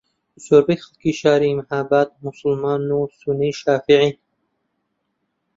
زۆربەی خەڵکی شاری مەھاباد موسڵمان و سوننی شافعیین